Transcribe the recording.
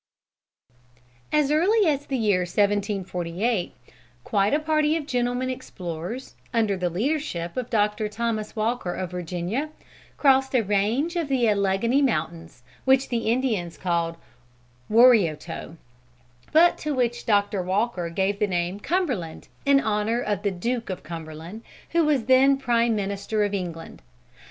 As early as the year 1748 quite a party of gentlemen explorers, under the leadership of Doctor Thomas Walker of Virginia, crossed a range of the Alleghany mountains, which the Indians called Warioto, but to which Doctor Walker gave the name of Cumberland, in honor of the Duke of Cumberland who was then prime minister of England.